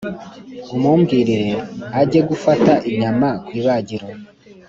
Umumbwirire ajye gufata inyama kwibagiro